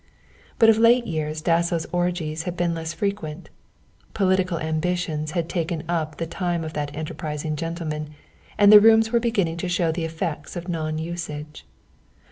But of late years Dasso's orgies had been less frequent. Political ambitions had taken up the time of that enterprising gentleman, and the rooms were beginning to show the effects of non usage.